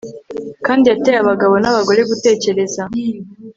kandi yateye abagabo nabagore gutekereza